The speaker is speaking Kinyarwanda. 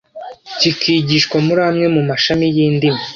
kigishwa muri amwe mu mashami y’indimi,